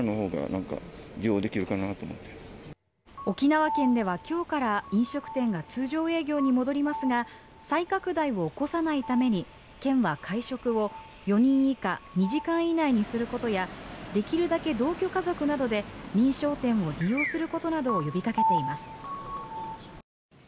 沖縄県では今日から飲食店が通常営業に戻りますが再拡大を起こさないために県は、会食を４人以下２時間以内にすることやできるだけ同居家族などで認証店を利用することなどを呼びかけています。